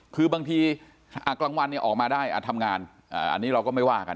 คือบางทีกลางวันเนี่ยออกมาได้ทำงานอันนี้เราก็ไม่ว่ากัน